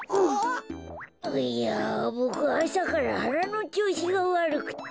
いやボクあさからはなのちょうしがわるくってさ。